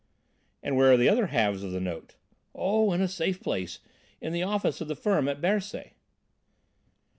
"And where are the other halves of the notes?" "Oh, in a safe place, in the office of the firm at Bercy."